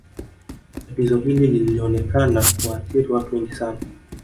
tatizo hili lilionekana kuwaathiri watu wengi sana